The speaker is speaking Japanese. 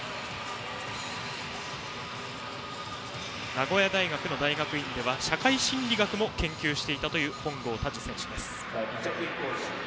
名古屋大学の大学院では社会心理学も研究していたという本郷汰樹選手。